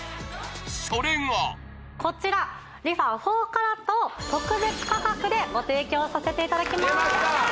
それがこちらＲｅＦａ４ＣＡＲＡＴを特別価格でご提供させていただきます